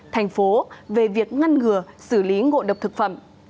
thành phố về việc ngăn ngừa xử lý ngộ độc thực phẩm